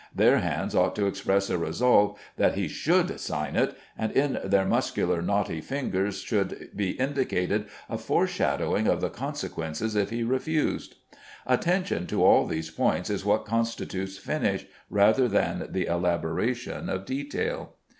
Their hands ought to express a resolve that he should sign it, and in their muscular knotty fingers should be indicated a foreshadowing of the consequences if he refused. Attention to all these points is what constitutes "finish" rather than the elaboration of detail.